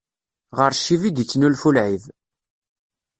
Ɣer ccib i d-ittnulfu lɛib.